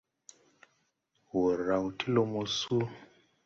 Wùr ráw ti lumo súu.